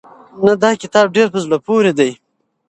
نه دا کتاب ډېر په زړه پورې دی.